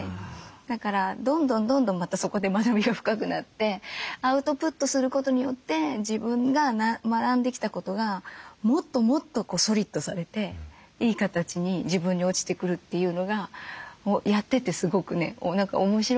だからどんどんどんどんまたそこで学びが深くなってアウトプットすることによって自分が学んできたことがもっともっとソリッドされていい形に自分に落ちてくるというのがやっててすごくね面白いなと思います。